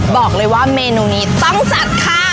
บอกเลยว่าเมนูนี้ต้องจัดค่ะ